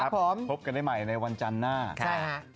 พบกันใหม่ในวันจันทร์หน้า